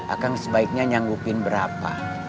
akang sebaiknya nyanggupin berapa